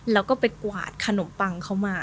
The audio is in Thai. แล้วก็ไปกวาดขนมปังเข้ามา